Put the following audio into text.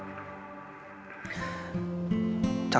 calon mertua saya ingin bertemu dengan orang tua saya